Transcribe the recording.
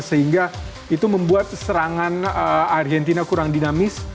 sehingga itu membuat serangan argentina kurang dinamis